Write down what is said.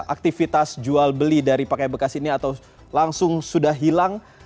aktivitas jual beli dari pakai bekas ini atau langsung sudah hilang